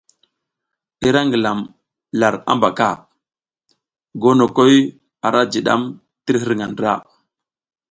I ra ngilam lar habaka, gonokoy ara jidam tir hirga ndra.